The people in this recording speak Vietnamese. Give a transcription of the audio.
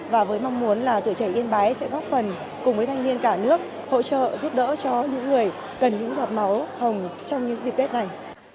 và với mong muốn là tuổi trẻ yên bái sẽ góp phần cùng với thanh niên cả nước hỗ trợ giúp đỡ cho những người cần những giọt máu hồng trong những dịp tết này